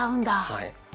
はい。